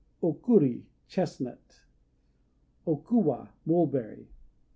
_ O Kuri "Chestnut." O Kuwa "Mulberry."